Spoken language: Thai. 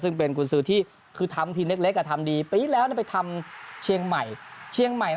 ซึ่งเป็นคุณซื้อที่คือทำทีมเล็กกับทำดีไปอีกแล้วไปทำเชียงใหม่